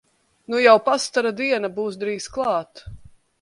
Nu jau pastara diena būs drīz klāt!